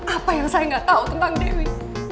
apa yang saya gak tau tentang dewi